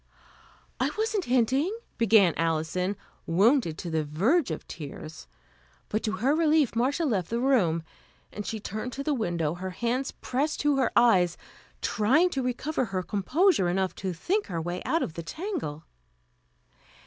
"I wasn't hinting," began Alison, wounded to the verge of tears; but to her relief, Marcia left the room, and she turned to the window, her hands pressed to her eyes, trying to recover her composure enough to think her way out of the tangle.